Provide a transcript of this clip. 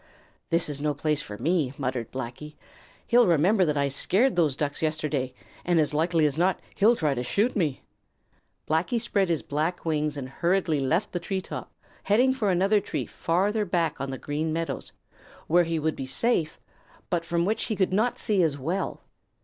"This is no place for me," muttered Blacky. "He'll remember that I scared those Ducks yesterday, and as likely as not he'll try to shoot me." Blacky spread his black wings and hurriedly left the tree top, heading for another tree farther back on the Green Meadows where he would be safe, but from which he could not see as well.